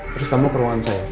terus kamu ke ruangan saya